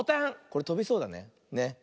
これとびそうだね。